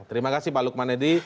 terima kasih pak lukman edi